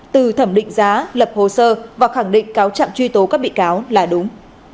từ thẩm định giá lập hồ sơ và khẳng định cáo trạng truy tố các bị cáo là đúng